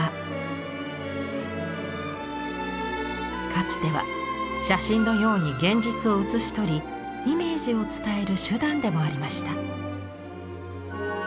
かつては写真のように現実を写し取りイメージを伝える手段でもありました。